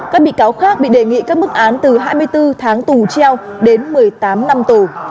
các bị cáo khác bị đề nghị các mức án từ hai mươi bốn tháng tù treo đến một mươi tám năm tù